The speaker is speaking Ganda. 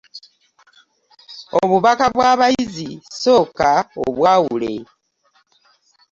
Obubaka bw'abayizi sooka obwawule.